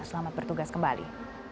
selamat bertugas kembali